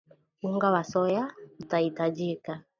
Unga wa soya utahitajika